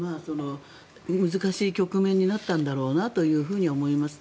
難しい局面になったんだろうと思います。